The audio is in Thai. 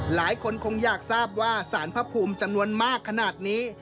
หลายคนคงอยากทราบว่าสารพระภูมิจำนวนมากขนาดนี้